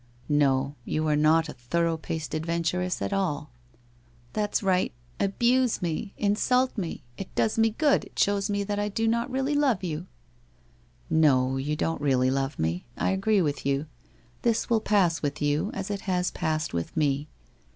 1 ' Xo, you are not a thorough paced adventuress at all.' 214 WHITE ROSE OF WEARY LEAF ' That's right. Abuse mc ! Insult me ! It does mc good, it shows mo that I do not really love you/ ' No, you don't really love me. I agree with you. This will pass with you, as it has passed with me.